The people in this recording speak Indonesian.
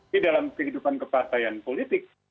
di dalam kehidupan kepartaian politik